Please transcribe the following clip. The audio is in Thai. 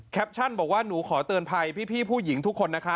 บอกว่าหนูขอเตือนภัยพี่ผู้หญิงทุกคนนะคะ